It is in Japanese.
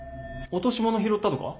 落とし物拾ったとか？